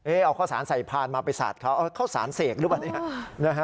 เอาข้าวสารใส่พานมาไปสาดเขาข้าวสารเสกหรือเปล่าเนี่ย